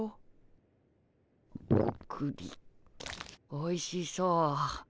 おいしそう。